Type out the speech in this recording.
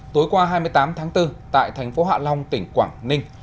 tối qua hai mươi tám tháng bốn tại thành phố hạ long tỉnh quảng ninh